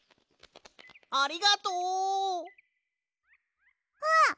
ありがとう！あっ！